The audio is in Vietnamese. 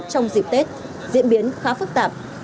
trong dịp tết diễn biến khá phức tạp